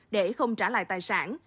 để không trả lại tài sản